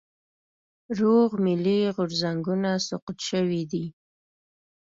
روغ ملي غورځنګونه سقوط شوي دي.